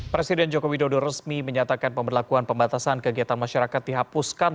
presiden joko widodo resmi menyatakan pemberlakuan pembatasan kegiatan masyarakat dihapuskan